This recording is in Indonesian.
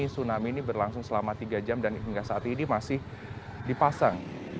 tsunami ini berlangsung selama tiga jam dan hingga saat ini masih dipasang